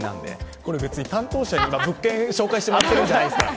これ別に担当者に物件を紹介してもらってるんじゃないですから。